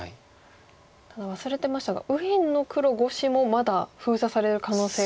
ただ忘れてましたが右辺の黒５子もまだ封鎖される可能性が。